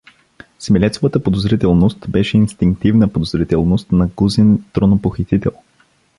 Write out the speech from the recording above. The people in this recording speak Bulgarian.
Смилецовата подозрителност беше инстинктивна подозрителност на гузен тронопохитител.